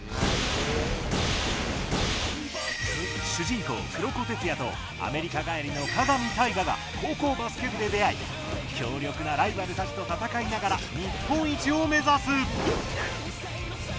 主人公、黒子テツヤとアメリカ帰りの火神大我が高校バスケ部で出会い強力なライバルたちと戦いながら日本一を目指す。